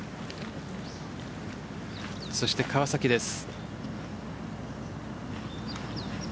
そして川崎です。